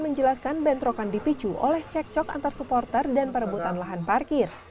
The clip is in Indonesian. menjelaskan bentrokan dipicu oleh cek cok antar supporter dan perebutan lahan parkir